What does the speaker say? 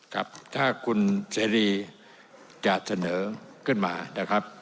ครับถ้าคุณเสรีจะเสนอขึ้นมานะครับ